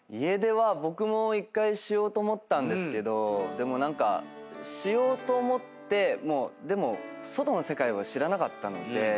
僕も１回しようと思ったんですけどでも何かしようと思ってでも外の世界を知らなかったので。